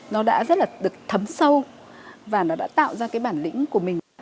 nó đã rất là được thấm sâu và nó đã tạo ra cái bản lĩnh của mình